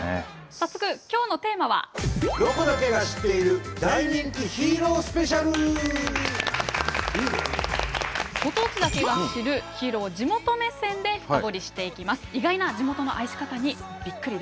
早速ご当地だけが知るヒーローを地元目線で深掘りしていきます。